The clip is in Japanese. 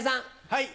はい。